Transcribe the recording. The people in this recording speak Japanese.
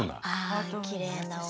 あきれいなお話。